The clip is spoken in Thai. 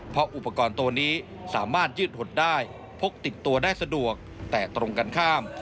เพราะอุปกรณ์ตัวนี้สามารถยืดหดได้พกติดตัวได้สะดวกแต่ตรงกันข้าม